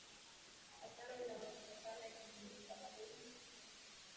agano na mapatano yakivunjika Bado Amri kumi zitaedelea kudumu Udhaifu haupo kwa Amri kumi